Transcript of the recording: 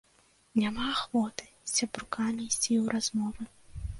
Няма ахвоты з сябрукамі ісці ў размовы.